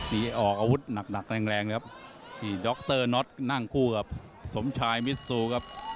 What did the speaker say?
มีออกอาวุธหนักแรงครับดรน็อตนั่งคู่กับสมชายมิดซูครับ